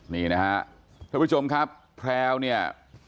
นี่นะฮะท่านผู้ชมครับแพลวเนี่ย